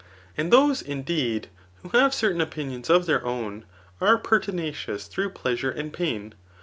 And those, indeed, who have certain ofHuions of their own, are pertinacious through pleasure and pain.